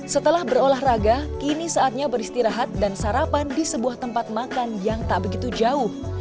setelah berolahraga kini saatnya beristirahat dan sarapan di sebuah tempat makan yang tak begitu jauh